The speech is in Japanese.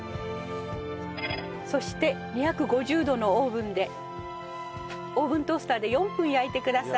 そして２５０度のオーブンでオーブントースターで４分焼いてください。